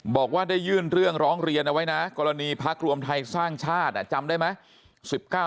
บอกว่าได้ยื่นเรื่องร้องเรียนเอาไว้นะกรณีพักรวมไทยสร้างชาติจำได้ไหม